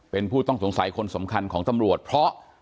เป็นผู้ต้องสงสัยคนสำคัญของตำรวจเพราะ